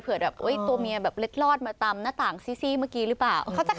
แบบตัวเมียแบบเล็ดลอดมาตามหน้าต่างซี่เมื่อกี้หรือเปล่า